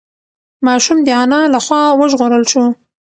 ماشوم د انا له خوا وژغورل شو.